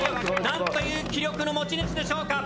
何という気力の持ち主でしょうか。